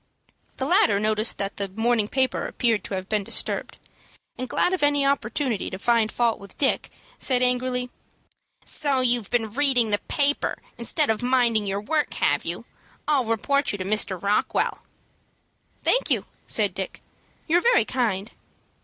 The latter noticed that the morning paper appeared to have been disturbed, and, glad of any opportunity to find fault with Dick, said, angrily, "So you've been reading the paper instead of minding your work, have you? I'll report you to Mr. Rockwell." "Thank you," said Dick, "you're very kind.